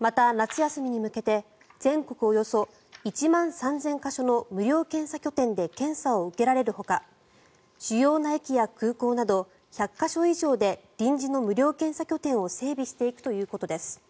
また夏休みに向けて全国およそ１万３０００か所の無料検査拠点で検査を受けられるほか主要な駅や空港など１００か所以上で臨時の無料検査拠点を整備していくということです。